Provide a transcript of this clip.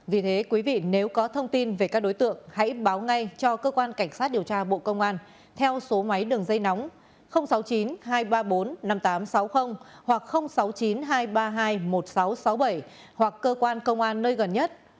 vì thế quý vị nếu có thông tin về các đối tượng hãy báo ngay cho cơ quan cảnh sát điều tra bộ công an theo số máy đường dây nóng sáu mươi chín hai trăm ba mươi bốn năm nghìn tám trăm sáu mươi hoặc sáu mươi chín hai trăm ba mươi hai một nghìn sáu trăm sáu mươi bảy hoặc cơ quan công an nơi gần nhất